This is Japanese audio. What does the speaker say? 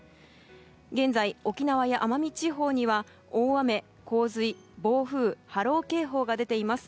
現在、沖縄や奄美地方には大雨・洪水・暴風・波浪警報が出ています。